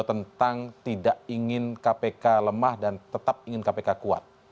tentang tidak ingin kpk lemah dan tetap ingin kpk kuat